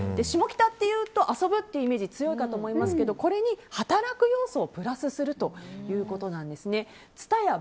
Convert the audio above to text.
下北というと遊ぶというイメージが強いかと思いますけどこれに働く要素をプラスするということなんですね。